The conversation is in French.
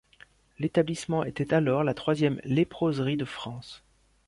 L'établissement était alors la troisième léproserie de France.